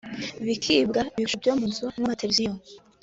bakibwa ibikoresho byo mu nzu nk’amateleviziyo